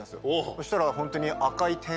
そしたらホントに。